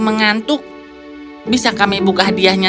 mengantuk bisa kami buka hadiahnya